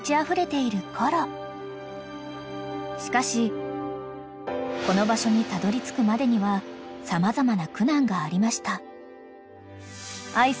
［しかしこの場所にたどりつくまでには様々な苦難がありました］